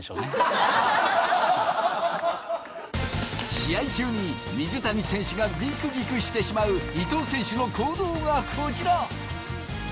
試合中に水谷選手がビクビクしてしまう伊藤選手の行動がこちら。